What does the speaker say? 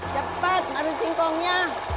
cepat ada cingkongnya